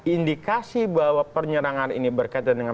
indikasi bahwa penyerangan ini berkaitan dengan